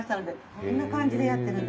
こんな感じでやってるんです。